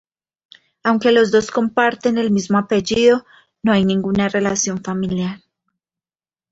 Aunque los dos comparten el mismo apellido, no hay ninguna relación familiar.